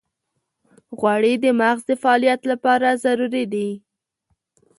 غوړې د مغز د فعالیت لپاره ضروري دي.